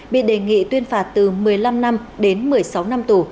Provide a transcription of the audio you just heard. bị đề nghị tuyên phạt từ một mươi năm năm đến một mươi sáu năm tù